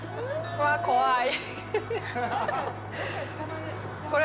うわ、怖い。